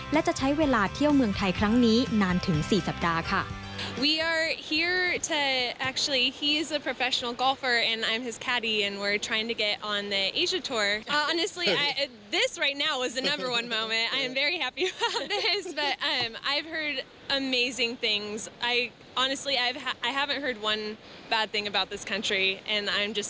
และจะใช้เวลาเที่ยวเมืองไทยครั้งนี้นานถึง๔สัปดาห์ค่ะ